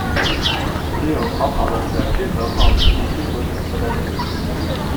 只有逃跑的自然选择号及其追捕者不在这里。